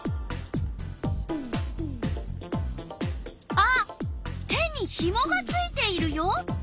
あっ手にひもがついているよ。